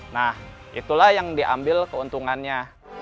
nah itulah yang diambil keuntungannya